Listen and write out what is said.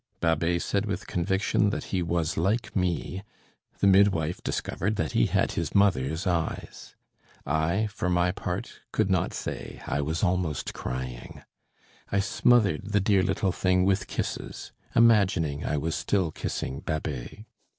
Babet said with conviction that he was like me; the midwife discovered that he had his mother's eyes; I, for my part, could not say, I was almost crying, I smothered the dear little thing with kisses, imagining I was still kissing Babet.